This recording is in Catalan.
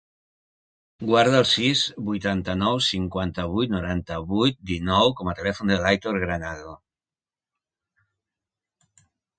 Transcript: Guarda el sis, vuitanta-nou, cinquanta-vuit, noranta-vuit, dinou com a telèfon de l'Aitor Granado.